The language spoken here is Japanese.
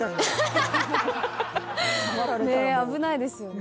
危ないですよね。